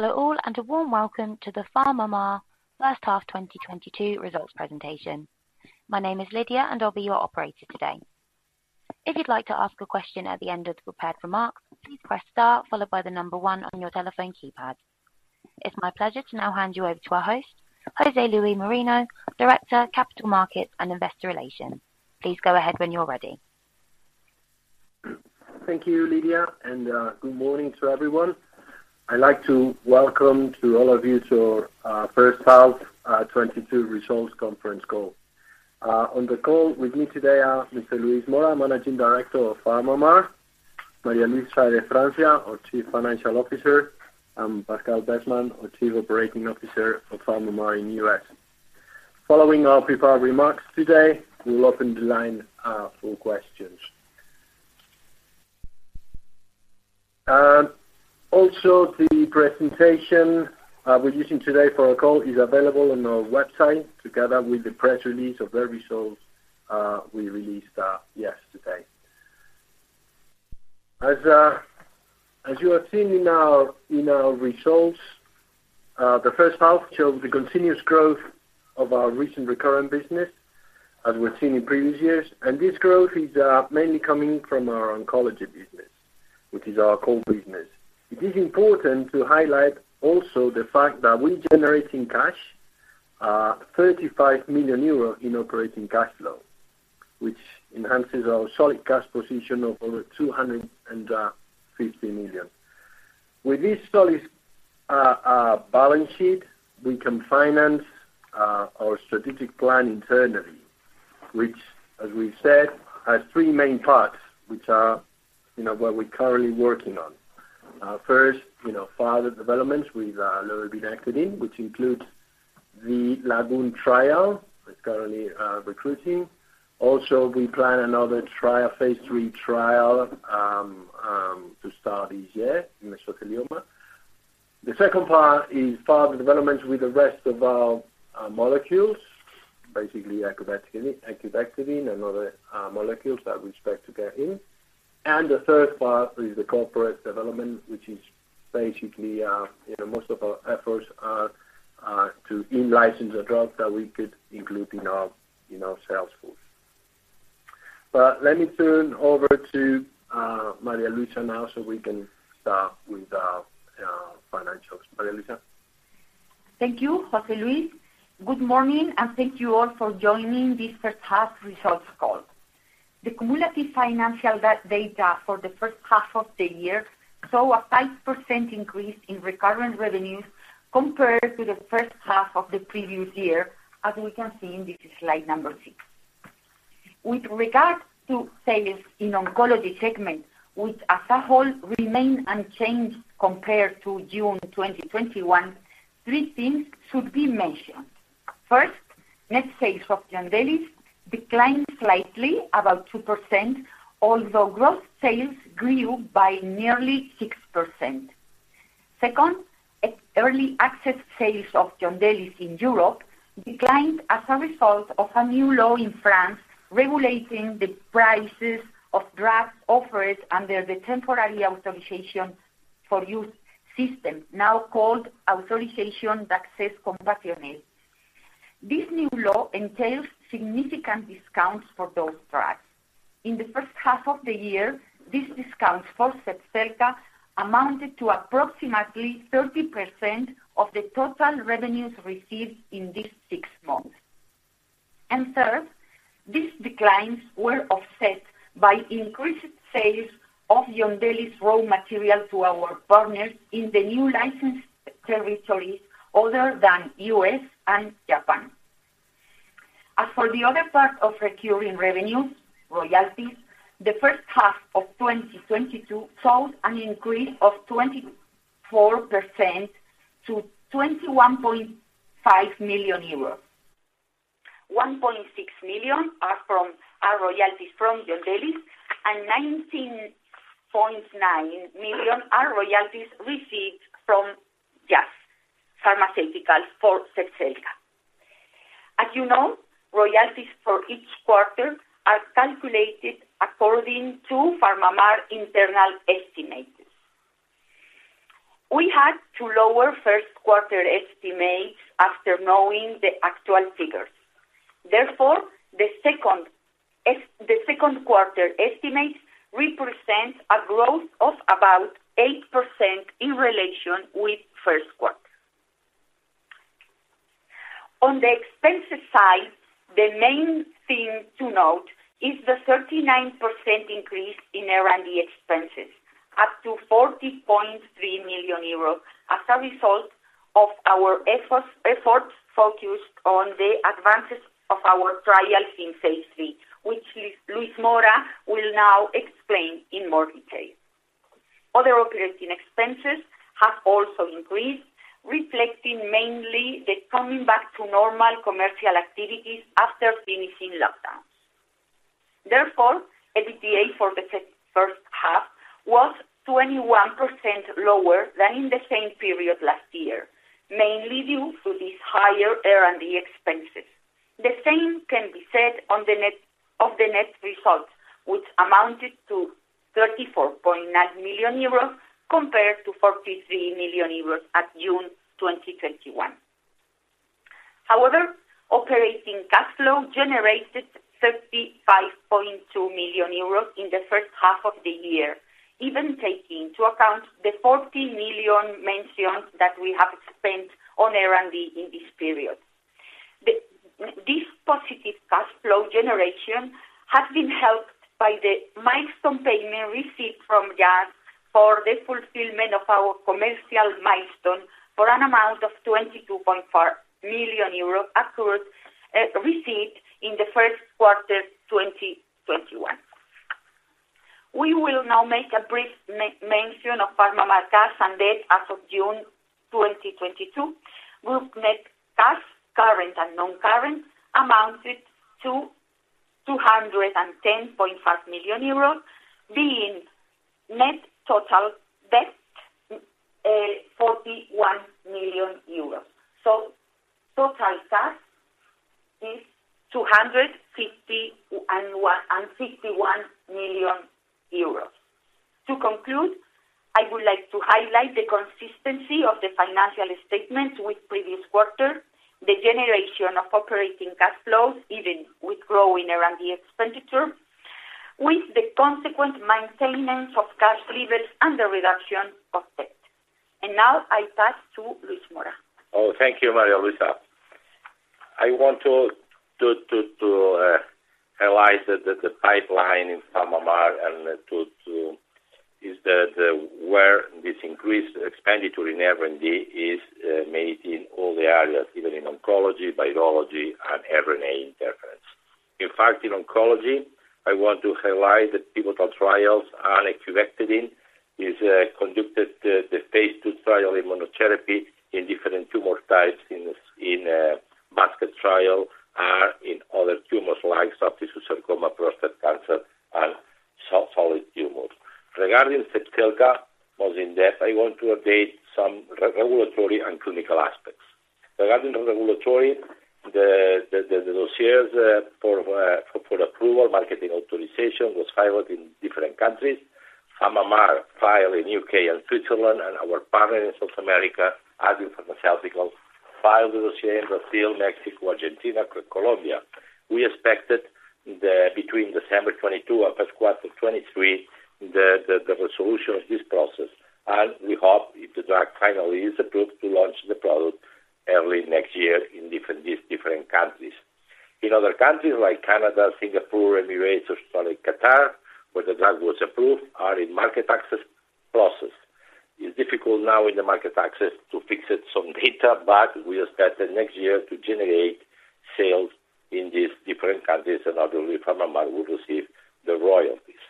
Hello all, and a warm welcome to the PharmaMar first half 2022 results presentation. My name is Lydia, and I'll be your operator today. If you'd like to ask a question at the end of the prepared remarks, please press Star followed by the number one on your telephone keypad. It's my pleasure to now hand you over to our host, José Luis Moreno, Director, Capital Markets and Investor Relations. Please go ahead when you're ready. Thank you, Lydia, and good morning to everyone. I'd like to welcome all of you to our first half 2022 results conference call. On the call with me today are Mr. Luis Mora, Managing Director of PharmaMar, María Luisa de Francia, our Chief Financial Officer, and Pascal Besman, our Chief Operating Officer of PharmaMar in the U.S. Following our prepared remarks today, we will open the line for questions. Also, the presentation we're using today for our call is available on our website together with the press release of the results we released yesterday. As you have seen in our results, the first half shows the continuous growth of our recent recurrent business as we've seen in previous years. This growth is mainly coming from our oncology business, which is our core business. It is important to highlight also the fact that we're generating cash, 35 million euros in operating cash flow, which enhances our solid cash position of over 250 million. With this solid balance sheet, we can finance our strategic plan internally, which, as we said, has three main parts which are, you know, what we're currently working on. First, you know, further developments with lurbinectedin, which includes the LAGOON trial that's currently recruiting. Also, we plan another trial, phase III trial, to start this year in mesothelioma. The second part is further developments with the rest of our molecules, basically lurbinectedin and other molecules that we expect to get in. The third part is the corporate development, which is basically, you know, most of our efforts are to in-license a drug that we could include in our sales force. Let me turn over to María Luisa now, so we can start with financials. María Luisa? Thank you, José Luis. Good morning, and thank you all for joining this first half results call. The cumulative financial data for the first half of the year saw a 5% increase in recurrent revenues compared to the first half of the previous year, as we can see in this slide number 6. With regard to sales in oncology segment, which as a whole remain unchanged compared to June 2021, three things should be mentioned. First, net sales of Yondelis declined slightly, about 2%, although gross sales grew by nearly 6%. Second, early access sales of Yondelis in Europe declined as a result of a new law in France regulating the prices of drugs offered under the temporary authorization for use system, now called Autorisation d'Accès Compassionnel. This new law entails significant discounts for those drugs. In the first half of the year, these discounts for Zepzelca amounted to approximately 30% of the total revenues received in these six months. Third, these declines were offset by increased sales of Yondelis raw material to our partners in the new licensed territories other than U.S. and Japan. As for the other part of recurring revenue, royalties, the first half of 2022 saw an increase of 24% to 21.5 million euros. 1.6 million are from our royalties from Yondelis, and 19.9 million are royalties received from Jazz Pharmaceuticals for Zepzelca. As you know, royalties for each quarter are calculated according to PharmaMar internal estimates. We had to lower first quarter estimates after knowing the actual figures. Therefore, the second quarter estimates represent a growth of about 8% in relation with first quarter. On the expenses side, the main thing to note is the 39% increase in R&D expenses, up to 40.3 million euros, as a result of our efforts focused on the advances of our trials in phase three, which Luis Mora will now explain in more detail. Other operating expenses have also increased, reflecting mainly the coming back to normal commercial activities after finishing lockdown. Therefore, EBITDA for the first half was 21% lower than in the same period last year, mainly due to these higher R&D expenses. The same can be said of the net results, which amounted to 34.9 million euros compared to 43 million euros at June 2021. However, operating cash flow generated 35.2 million euros in the first half of the year, even taking into account the 14 million mentioned that we have spent on R&D in this period. This positive cash flow generation has been helped by the milestone payment received from Jazz for the fulfillment of our commercial milestone for an amount of 22.4 million euros accrued, received in the first quarter 2021. We will now make a brief mention of PharmaMar cash and debt as of June 2022. Group net cash, current and non-current, amounted to 210.5 million euros, being net total debt, 41 million euros. Total cash is 251 million euros. To conclude, I would like to highlight the consistency of the financial statements with previous quarter, the generation of operating cash flows, even with growing R&D expenditure, with the consequent maintenance of cash levels and the reduction of debt. Now I pass to Luis Mora. Oh, thank you, María Luisa. I want to analyze the pipeline in PharmaMar and where this increased expenditure in R&D is made in all the areas, even in oncology, virology and RNA interference. In fact, in oncology, I want to highlight the pivotal trials on lurbinectedin, the phase two trial immunotherapy in different tumor types in this basket trial and in other tumors like soft tissue sarcoma, prostate cancer and solid tumors. Regarding Zepzelca, more in-depth, I want to update some regulatory and clinical aspects. Regarding the regulatory, the dossiers for approval marketing authorization was filed in different countries. PharmaMar filed in U.K. and Switzerland, and our partner in South America, Adium Pharma S.A., filed the dossier in Brazil, Mexico, Argentina, Colombia. We expected the resolution of this process between December 2022 and first quarter 2023. We hope if the drug finally is approved, to launch the product early next year in different countries. In other countries like Canada, Singapore, Emirates or Saudi Qatar, where the drug was approved, are in market access process. It's difficult now in the market access to get some data, but we expect that next year to generate sales in these different countries and obviously PharmaMar will receive the royalties.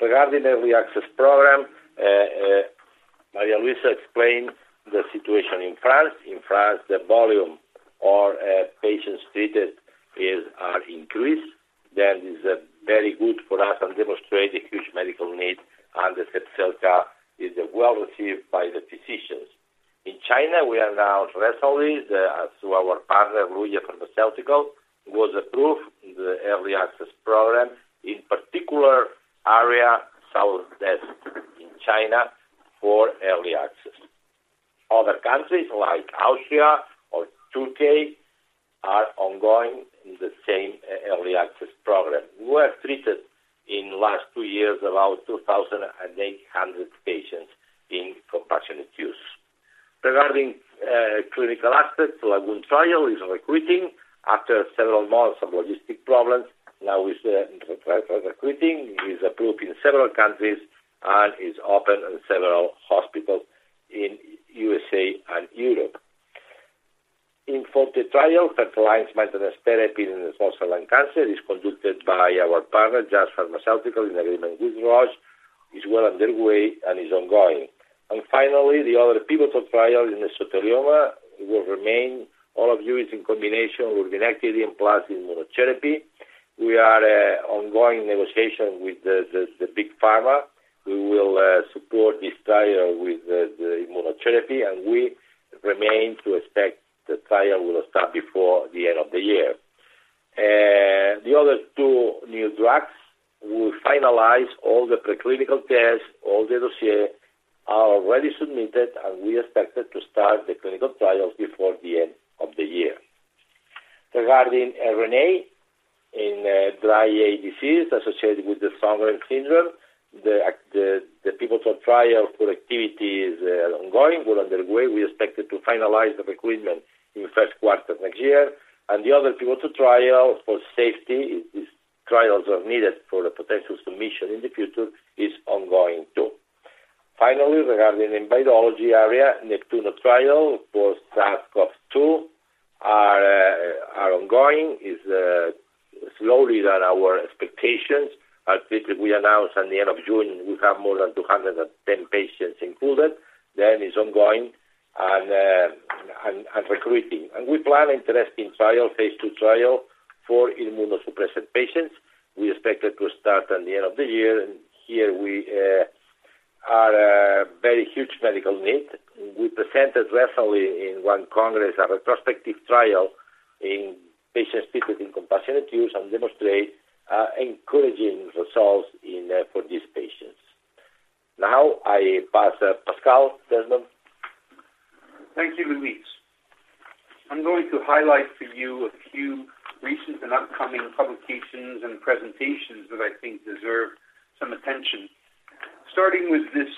Regarding the early access program, María Luisa explained the situation in France. In France, the volume of patients treated is increased. That is very good for us and demonstrate the huge medical need, and the Zepzelca is well received by the physicians. In China, we announced recently our partner, Luye Pharma Group, was approved in the early access program, in particular area southwest in China for early access. Other countries like Austria or Turkey are ongoing in the same early access program. We have treated in last two years around 2,800 patients in compassionate use. Regarding clinical aspects, LAGOON trial is recruiting after several months of logistic problems. Now it's recruiting, is approved in several countries and is open in several hospitals in USA and Europe. IMforte trial that aligns maintenance therapy in small cell lung cancer is conducted by our partner, Jazz Pharmaceuticals, in agreement with Roche, is well underway and is ongoing. Finally, the other pivotal trial in mesothelioma will remain Yondelis in combination with vincristine plus immunotherapy. We are ongoing negotiation with the big pharma who will support this trial with the immunotherapy, and we remain to expect the trial will start before the end of the year. The other two new drugs will finalize all the preclinical tests, all the dossier are already submitted, and we expected to start the clinical trials before the end of the year. Regarding RNAi in dry eye disease associated with the Sjögren's syndrome, the pivotal trial for activity is ongoing, well underway. We expected to finalize the recruitment in first quarter of next year. The other pivotal trial for safety is trials are needed for the potential submission in the future is ongoing too. Finally, regarding in virology area, NEPTUNO trial for SARS-CoV-2 are ongoing, is slower than our expectations. As we announced at the end of June, we have more than 210 patients included. It is ongoing and recruiting. We plan interesting trial, phase II trial for immunosuppressed patients. We expect it to start at the end of the year. Are a very huge medical need. We presented recently in one congress a retrospective trial in patients treated in compassionate use and demonstrate encouraging results in for these patients. Now I pass Pascal Besman. Thank you, Luis. I'm going to highlight for you a few recent and upcoming publications and presentations that I think deserve some attention. Starting with this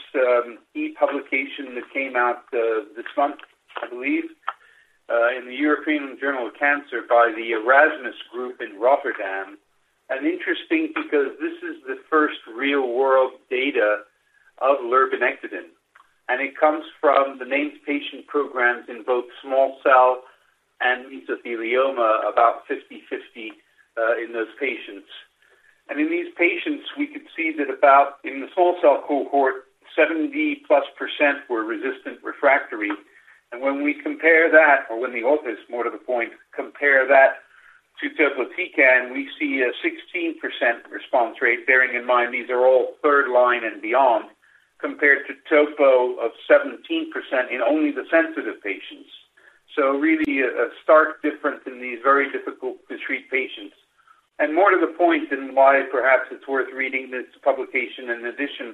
e-publication that came out this month, I believe, in the European Journal of Cancer by the Erasmus MC in Rotterdam. Interesting because this is the first real-world data of lurbinectedin, and it comes from the Named Patient Programs in both small cell and mesothelioma, about 50/50 in those patients. In these patients, we could see that about in the small cell cohort, 70+% were resistant refractory. When we compare that, or when the authors, more to the point, compare that to topotecan, we see a 16% response rate, bearing in mind these are all third line and beyond, compared to topo of 17% in only the sensitive patients. Really a stark difference in these very difficult to treat patients. More to the point in why perhaps it's worth reading this publication in addition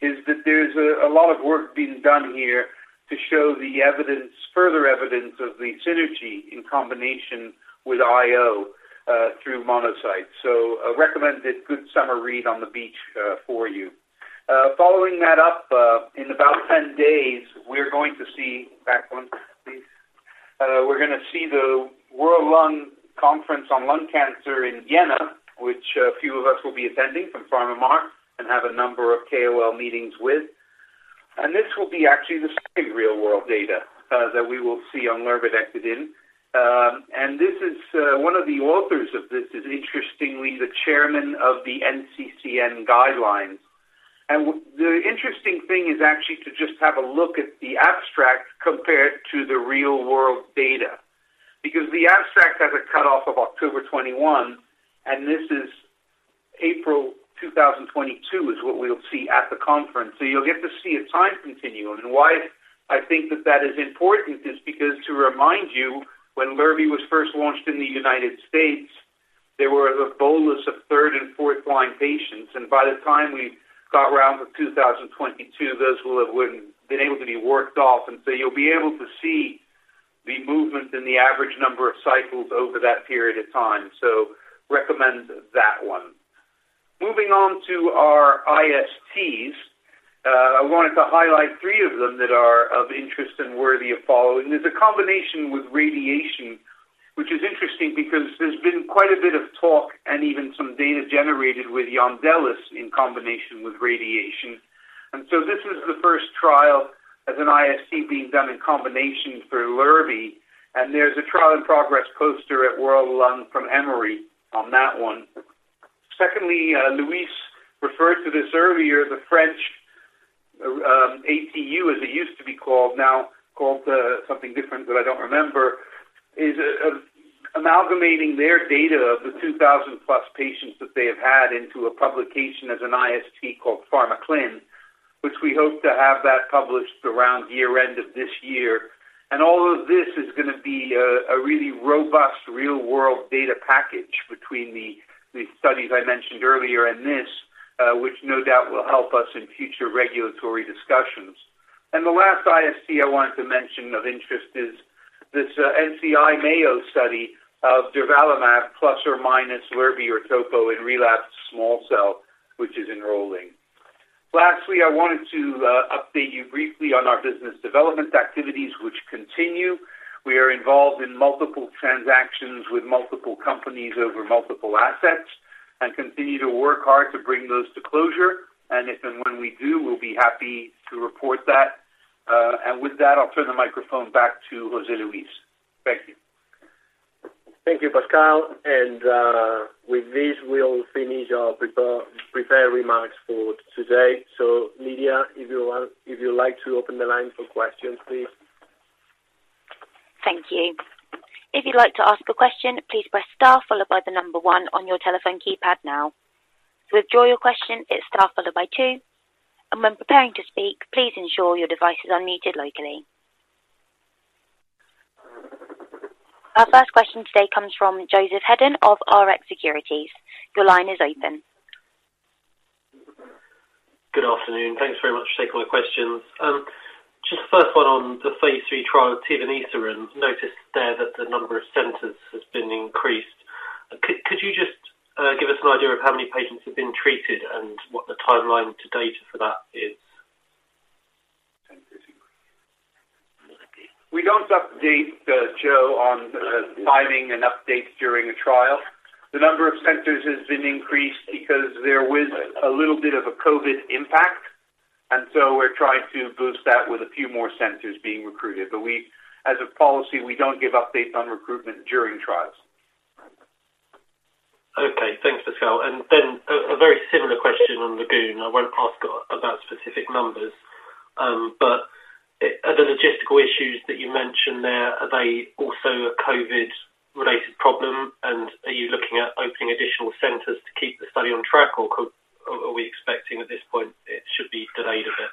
is that there's a lot of work being done here to show the evidence, further evidence of the synergy in combination with IO through monocyte. A recommended good summer read on the beach for you. Following that up, in about 10 days, we're gonna see the World Conference on Lung Cancer in Vienna, which a few of us will be attending from PharmaMar and have a number of KOL meetings with. This will be actually the second real-world data that we will see on lurbinectedin. This is one of the authors of this is interestingly the chairman of the NCCN guidelines. The interesting thing is actually to just have a look at the abstract compared to the real-world data. Because the abstract has a cutoff of October 2021, and this is April 2022 is what we'll see at the conference. You'll get to see a time continuum. Why I think that is important is because to remind you, when lurbinectedin was first launched in the United States, there were a bolus of third and fourth line patients, and by the time we got round to 2022, those will have been able to be worked off. You'll be able to see the movement in the average number of cycles over that period of time. Recommend that one. Moving on to our ISTs, I wanted to highlight three of them that are of interest and worthy of following. There's a combination with radiation, which is interesting because there's been quite a bit of talk and even some data generated with Yondelis in combination with radiation. This is the first trial as an IST being done in combination for lurbinectedin, and there's a trial in progress poster at World Lung from Emory on that one. Secondly, Luis referred to this earlier, the French ATU, as it used to be called, now called something different that I don't remember, is amalgamating their data of the 2,000+ patients that they have had into a publication as an IST called Pharmaclean, which we hope to have that published around year-end of this year. All of this is gonna be a really robust real-world data package between the studies I mentioned earlier and this, which no doubt will help us in future regulatory discussions. The last IST I wanted to mention of interest is this NCI Mayo study of durvalumab plus or minus lurbinectedin or topotecan in relapsed small cell, which is enrolling. Lastly, I wanted to update you briefly on our business development activities, which continue. We are involved in multiple transactions with multiple companies over multiple assets and continue to work hard to bring those to closure. If and when we do, we'll be happy to report that. With that, I'll turn the microphone back to José Luis. Thank you. Thank you, Pascal. With this, we'll finish our prepared remarks for today. Lydia, if you'd like to open the line for questions, please. Thank you. If you'd like to ask a question, please press star followed by the number one on your telephone keypad now. To withdraw your question, it's star followed by two. When preparing to speak, please ensure your device is unmuted locally. Our first question today comes from Joseph Hedden of RX Securities. Your line is open. Good afternoon. Thanks very much for taking my questions. Just the first one on the phase III trial of tivanisiran. Noticed there that the number of centers has been increased. Could you just give us an idea of how many patients have been treated and what the timeline to date for that is? We don't update, Joe, on timing and updates during a trial. The number of centers has been increased because there was a little bit of a COVID impact, and so we're trying to boost that with a few more centers being recruited. We, as a policy, don't give updates on recruitment during trials. Okay. Thanks, Pascal. Then a very similar question on LAGOON. I won't ask about specific numbers. But are the logistical issues that you mentioned there, are they also COVID? Are you looking at opening additional centers to keep the study on track, or are we expecting at this point it should be delayed a bit?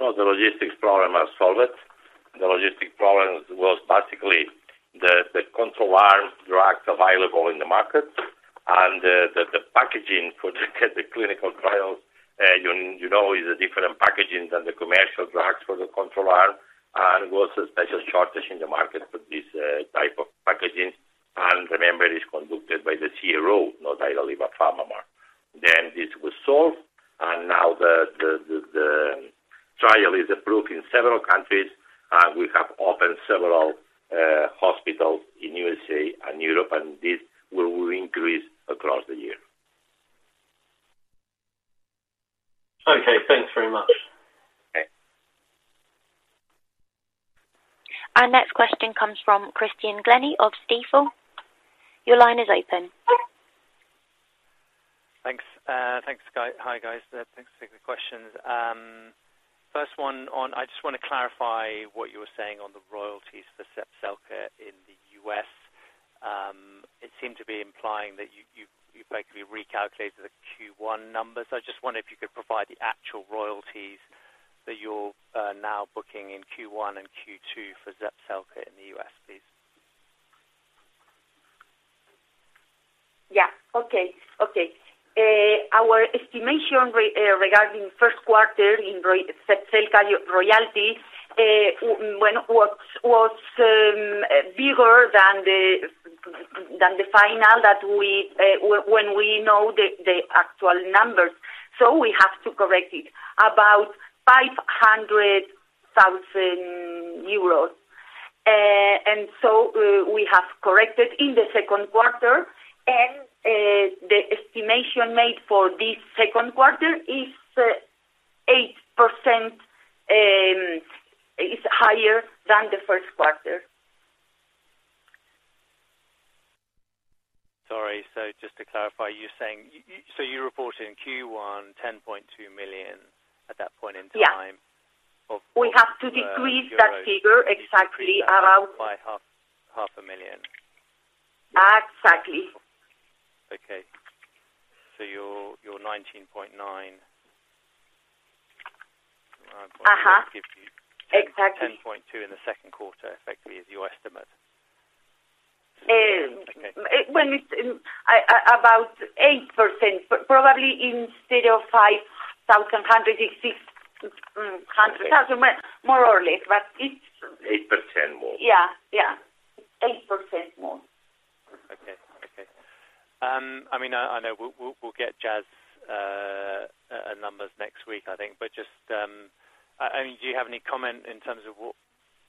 No, the logistics problem are solved. The logistic problem was basically the control arm drugs available in the market and the packaging for the clinical trials. You know, is a different packaging than the commercial drugs for the control arm, and was a special shortage in the market for this type of packaging. Remember, it is conducted by the CRO, not PharmaMar. This was solved, and now the trial is approved in several countries, and we have opened several hospitals in USA and Europe, and this will increase across the year. Okay, thanks very much. Okay. Our next question comes from Christian Glennie of Stifel. Your line is open. Thanks. Hi, guys. Thanks for taking the questions. First one on, I just want to clarify what you were saying on the royalties for Zepzelca® in the U.S.. It seemed to be implying that you've basically recalculated the Q1 numbers. I just wonder if you could provide the actual royalties that you're now booking in Q1 and Q2 for Zepzelca® in the U.S., please. Yeah. Okay, okay. Our estimation regarding first quarter Zepzelca® royalties was bigger than the final that we know, the actual numbers. We have to correct it. About 500,000 euros. We have corrected in the second quarter and the estimation made for this second quarter is 8% higher than the first quarter. Sorry. Just to clarify, you're saying you reported in Q1 10.2 million at that point in time. Yeah. Of- We have to decrease that figure exactly around. By EUR half a million. Exactly. Your 19.9. Uh-huh. Give you- Exactly. 10.2 in the second quarter, effectively, is your estimate. Eh. Okay. When it's about 8%, but probably instead of 506,000, more or less. 8% more. Yeah, yeah. 8% more. Okay, okay. I mean, I know we'll get Jazz numbers next week, I think. Just, I mean, do you have any comment in terms of what,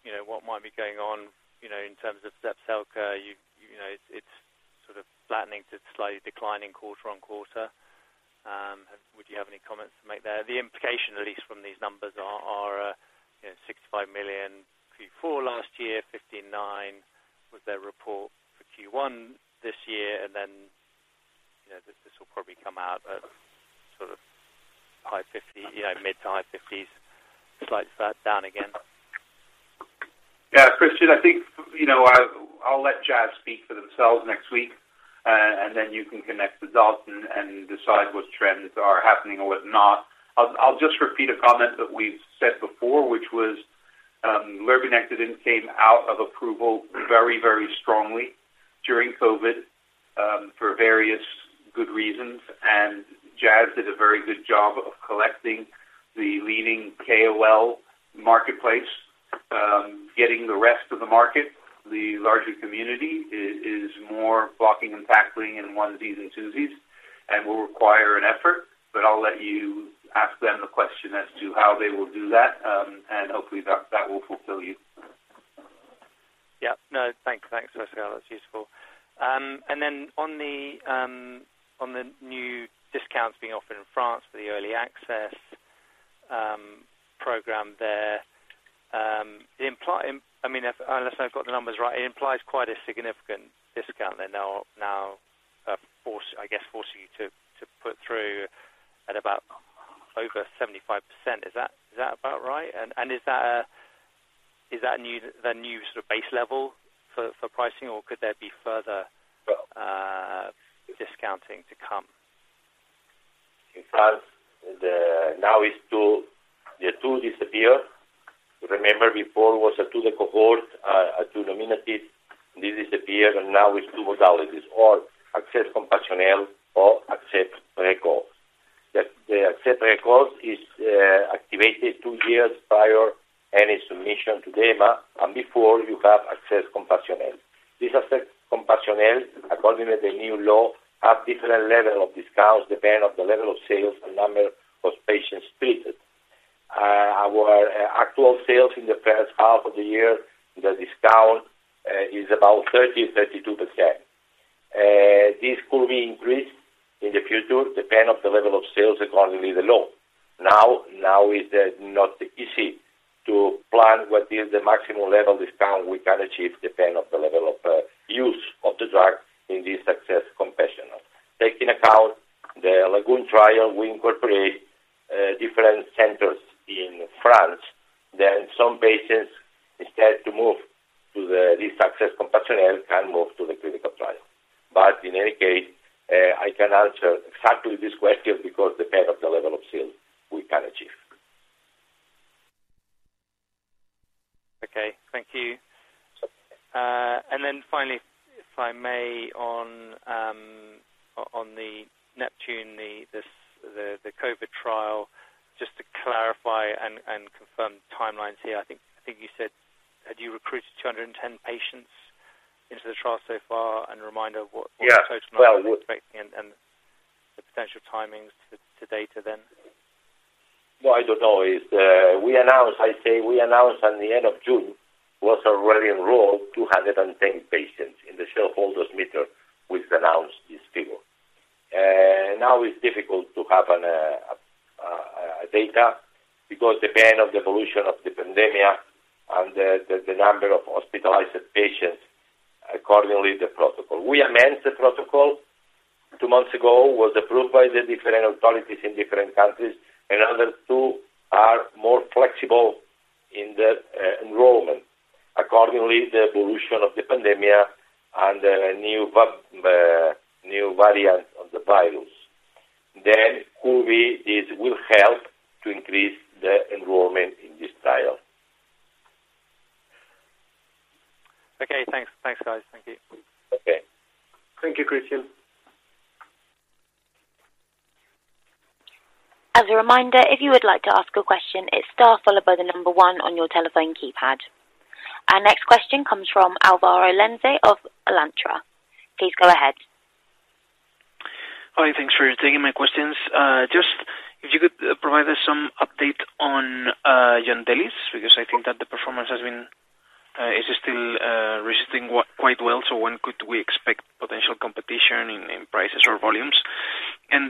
you know, what might be going on, you know, in terms of Zepzelca? You know, it's sort of flattening to slightly declining quarter-on-quarter. Would you have any comments to make there? The implication, at least from these numbers, are, you know, $65 million Q4 last year, $59 million was their report for Q1 this year. Then, you know, this will probably come out at sort of high fifties, you know, mid-to-high fifties. Slight flat down again. Yeah, Christian Glennie, I think, you know, I'll let Jazz Pharmaceuticals speak for themselves next week, and then you can connect the dots and decide what trends are happening or what not. I'll just repeat a comment that we've said before, which was, lurbinectedin came out of approval very, very strongly during COVID, for various good reasons. Jazz Pharmaceuticals did a very good job of collecting the leading KOL marketplace. Getting the rest of the market, the larger community is more blocking and tackling in onesies and twosies and will require an effort, but I'll let you ask them the question as to how they will do that, and hopefully that will fulfill you. Yeah. No, thanks, José. That's useful. And then on the new discounts being offered in France for the early access program there, I mean, unless I've got the numbers right, it implies quite a significant discount. They're now forcing you to put through at about over 75%. Is that about right? Is that new, the new sort of base level for pricing, or could there be further discounting to come? In fact, now is two. The two disappear. Remember before was a two cohort, a two nominated. This disappeared and now it's two modalities or accès compassionnel or accès précoce. The accès précoce is activated two years prior any submission to EMA, and before you have accès compassionnel. This accès compassionnel, according to the new law, have different level of discounts, depend of the level of sales and number of patients treated. Our actual sales in the first half of the year, the discount is about 30%-32%. This could be increased in the future, depend of the level of sales according to the law. Now it's not easy to plan what is the maximum level discount we can achieve depend of the level of use of the drug in this accès compassionnel. Taking into account the LAGOON trial, we incorporated different centers in France, then some patients intended to move to the accès compassionnel can move to the clinical trial. In any case, I cannot answer exactly this question because it depends on the level of sales we can achieve. Okay, thank you. Sure. Finally, if I may, on the NEPTUNO, the COVID trial, just to clarify and confirm timelines here. I think you said had you recruited 210 patients into the trial so far and a reminder of what Yeah. The total number we're expecting and the potential timings to data then. We announced at the end of June we already enrolled 210 patients in the NEPTUNO which announced this figure. Now it's difficult to have any data because depend of the evolution of the pandemic and the number of hospitalized patients according to the protocol. We amended the protocol two months ago, was approved by the different authorities in different countries. In order to be more flexible in the enrollment according to the evolution of the pandemic and the new variant of the virus. COVID will help to increase the enrollment in this trial. Okay, thanks. Thanks, guys. Thank you. Okay. Thank you, Christian. As a reminder, if you would like to ask a question, it's star followed by the number one on your telephone keypad. Our next question comes from Álvaro Lenze of Alantra. Please go ahead. Hi, thanks for taking my questions. Just if you could provide us some update on Yondelis, because I think that the performance has been is still resisting quite well. When could we expect potential competition in prices or volumes? If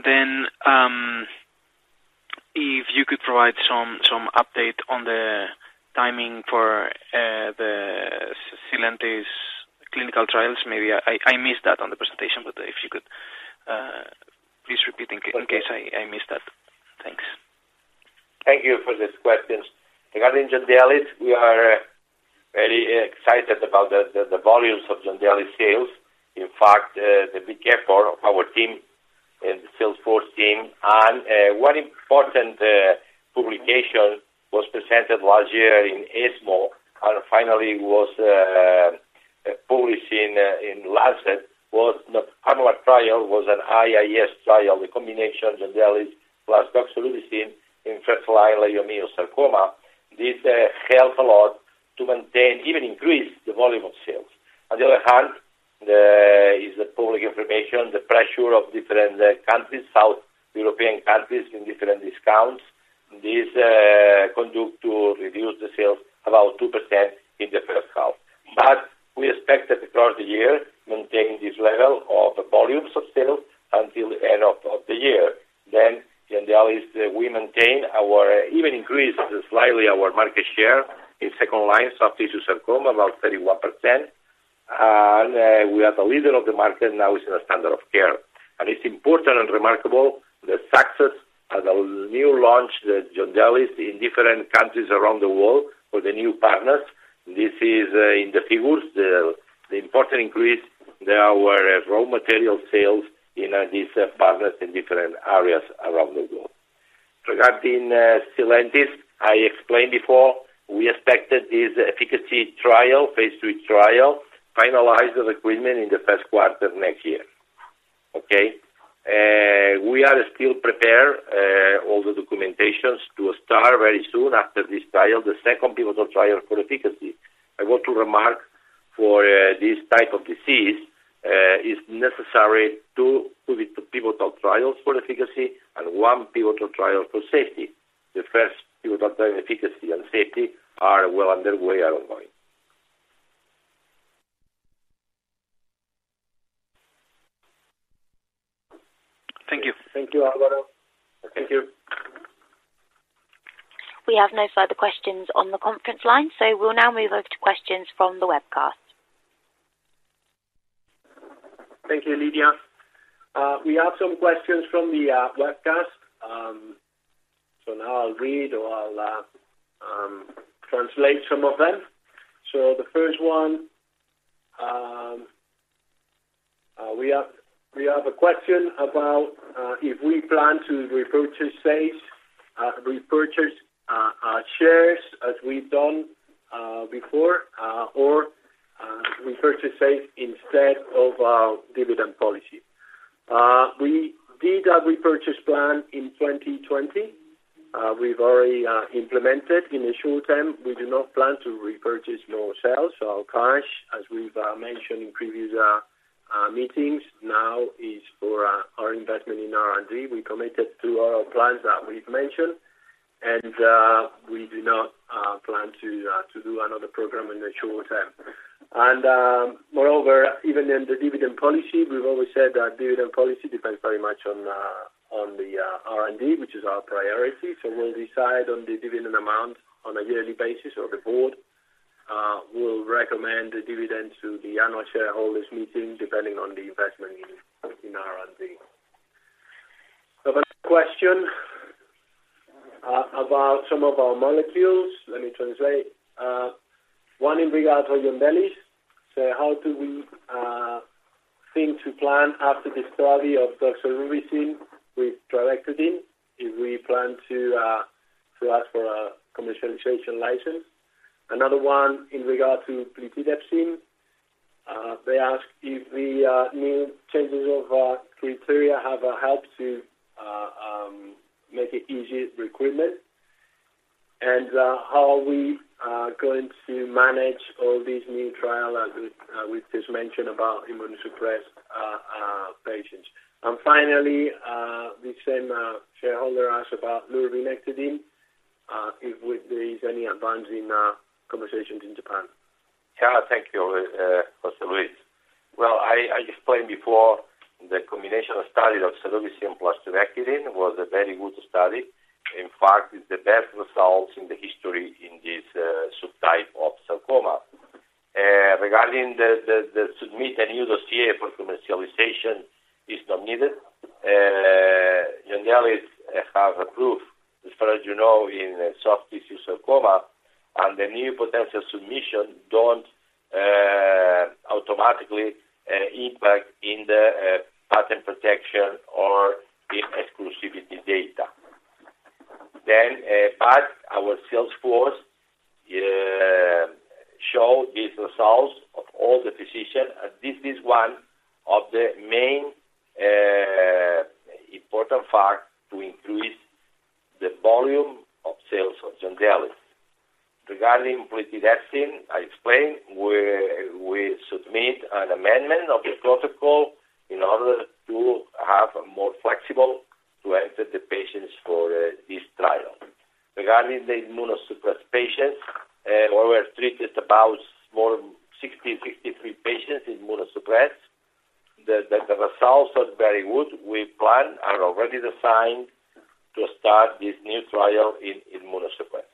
you could provide some update on the timing for the Sylentis clinical trials. Maybe I missed that on the presentation, but if you could please repeat. Okay. I missed that. Thanks. Thank you for these questions. Regarding Yondelis, we are very excited about the volumes of Yondelis sales. In fact, the big effort of our team and the sales force team and one important publication was presented last year in ESMO and finally was published in Lancet, the PanDox trial, an IST trial, the combination Yondelis plus doxorubicin in first-line leiomyosarcoma. This helped a lot to maintain, even increase the volume of sales. On the other hand, this is public information, the pressure of different countries, South European countries in different discounts. This conduced to reduce the sales about 2% in the first half. We expect that across the year, maintain this level of volumes of sales until end of the year. Yondelis, we maintain our, even increase slightly our market share in second-line soft tissue sarcoma, about 31%. We are the leader of the market now. It is in a standard of care. It is important and remarkable, the success of the new launch, the Yondelis in different countries around the world for the new partners. This is in the figures, the important increase. There are raw material sales in these partners in different areas around the world. Regarding Sylentis, I explained before, we expect this efficacy trial, phase II trial, finalized recruitment in the first quarter of next year. We are still preparing all the documentation to start very soon after this trial, the second pivotal trial for efficacy. I want to remark for, this type of disease, is necessary 2 pivotal trials for efficacy and 1 pivotal trial for safety. The first pivotal trial, efficacy and safety are well underway at the moment. Thank you. Thank you, Álvaro. Thank you. We have no further questions on the conference line, so we'll now move over to questions from the webcast. Thank you, Lydia. We have some questions from the webcast. Now I'll translate some of them. The first one, we have a question about if we plan to repurchase shares as we've done before or repurchase shares instead of our dividend policy. We did a repurchase plan in 2020. We've already implemented. In the short term, we do not plan to repurchase nor sell. Our cash, as we've mentioned in previous meetings now is for our investment in R&D. We committed to our plans that we've mentioned, and we do not plan to do another program in the short term. Moreover, even in the dividend policy, we've always said our dividend policy depends very much on the R&D, which is our priority. We'll decide on the dividend amount on a yearly basis or the board will recommend the dividend to the annual shareholders meeting depending on the investment in R&D. The next question about some of our molecules. Let me translate. One in regard for Yondelis. How do we think to plan after the study of doxorubicin with trabectedin, if we plan to ask for a commercialization license. Another one in regard to plitidepsin. They ask if the new changes of our criteria have helped to make it easy recruitment. How we are going to manage all these new trial, as we just mentioned, about immunosuppressed patients. Finally, the same shareholder asked about lurbinectedin if there is any advance in conversations in Japan. Yeah, thank you, José Luis. Well, I explained before the combination study of doxorubicin plus trabectedin was a very good study. In fact, it's the best results in the history in this subtype of sarcoma. Regarding the submission of a new dossier for commercialization is not needed. Yondelis have approved, as far as you know, in soft tissue sarcoma, and the new potential submission don't automatically impact in the patent protection or in exclusivity data. But our sales force show these results to all the physicians. And this is one of the main important fact to increase the volume of sales of Yondelis. Regarding plitidepsin, I explained we submit an amendment of the protocol in order to have more flexibility to enter the patients for this trial. Regarding the immunosuppressed patients, we treated more than 63 patients in immunosuppressed. The results are very good. We plan and already designed to start this new trial in immunosuppressed.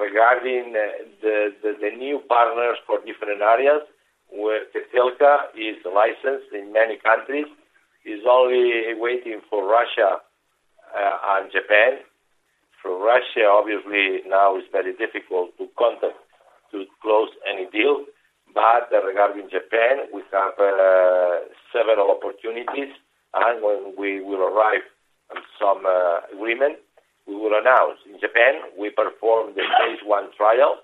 Regarding the new partners for different areas, where Zepzelca is licensed in many countries, is only waiting for Russia and Japan. For Russia, obviously, now it's very difficult to close any deal. Regarding Japan, we have several opportunities. When we will arrive at some agreement, we will announce. In Japan, we performed the phase 1 trial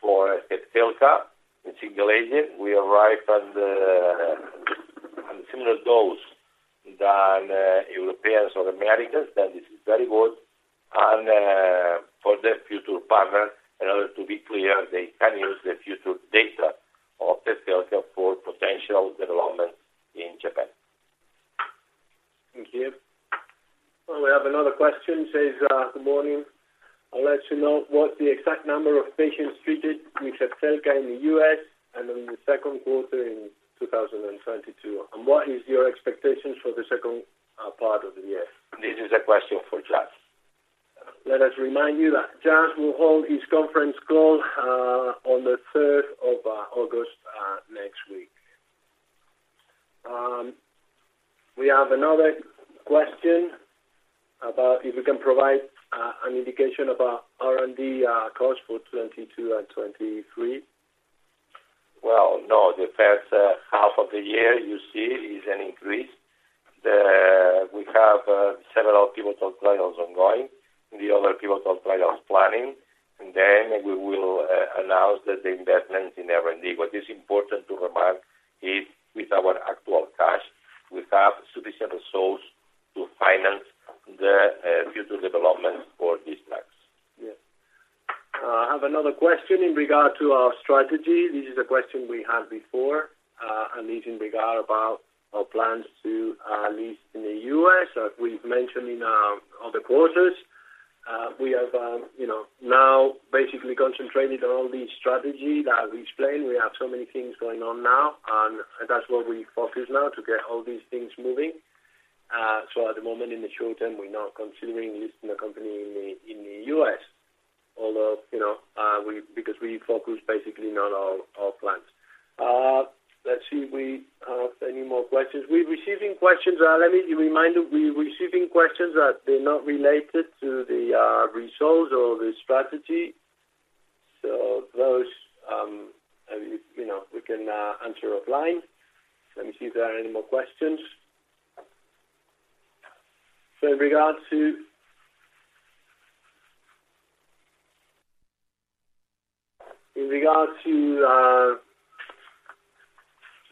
for Zepzelca in single agent. We arrived at a similar dose than Europeans or Americans, then this is very good. For the future partner, in order to be clear, they can use the future data of Zepzelca for potential development in Japan. Thank you. Well, we have another question. Says, "Good morning. I'd like to know what the exact number of patients treated with Zepzelca in the U.S. and in the second quarter in 2022. And what is your expectations for the second part of the year? This is a question for Jazz. Let us remind you that Jazz will hold its conference call on the third of August next week. We have another question about if you can provide an indication about R&D cost for 2022 and 2023. Well, no. The first half of the year you see is an increase. We have several pivotal trials ongoing, the other pivotal trials planning. We will announce the investments in R&D. What is important to remark is with our actual cash, we have sufficient resources to finance the future developments for these drugs. Yes. I have another question in regard to our strategy. This is a question we had before, and it's in regard about our plans to list in the U.S., as we've mentioned in other quarters. We have you know now basically concentrated on this strategy that I've explained. We have so many things going on now, and that's what we focus now to get all these things moving. So at the moment in the short term, we're not considering listing the company in the U.S., although you know because we focus basically on our plans. Let's see if we have any more questions. We're receiving questions. Let me remind you, we're receiving questions that they're not related to the results or the strategy. So those you know we can answer offline. Let me see if there are any more questions. In regards to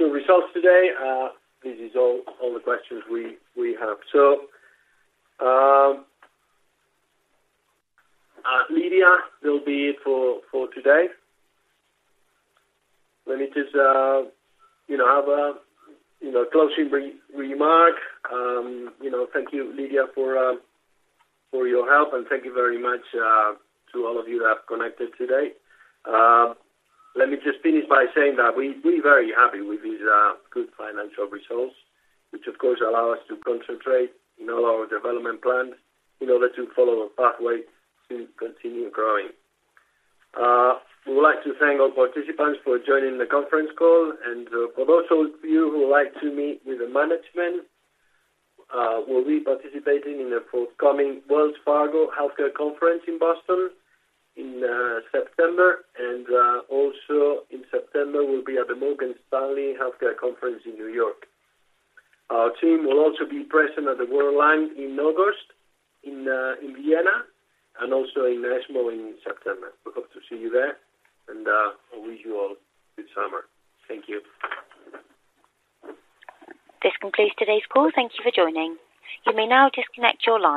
results today, this is all the questions we have. Lydia, that will be it for today. Let me just, you know, have a, you know, closing remark. You know, thank you, Lydia, for your help, and thank you very much to all of you that have connected today. Let me just finish by saying that we're very happy with these good financial results, which of course allow us to concentrate in all our development plans in order to follow a pathway to continue growing. We would like to thank all participants for joining the conference call. For those of you who like to meet with the management, we'll be participating in the forthcoming Wells Fargo Healthcare Conference in Boston in September. Also in September, we'll be at the Morgan Stanley Healthcare Conference in New York. Our team will also be present at the World Conference on Lung Cancer in August in Vienna and also in ESMO in September. We hope to see you there, and I wish you all good summer. Thank you. This concludes today's call. Thank you for joining. You may now disconnect your lines.